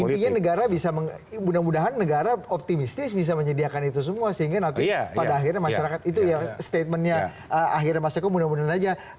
dan itu intinya negara bisa mudah mudahan negara optimistis bisa menyediakan itu semua sehingga nanti pada akhirnya masyarakat itu ya statementnya akhirnya masyarakat mudah mudahan aja